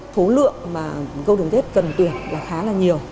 thố lượng mà golden tết cần tuyển là khá là nhiều